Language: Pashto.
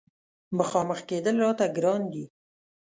مخامخ کېدل راته ګرانه دي.